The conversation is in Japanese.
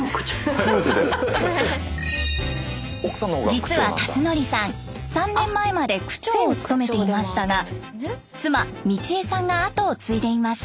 実は辰徳さん３年前まで区長を務めていましたが妻美千枝さんが後を継いでいます。